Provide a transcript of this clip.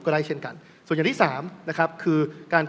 ได้เช่นกันส่วนอย่างที่สามนะครับคือการ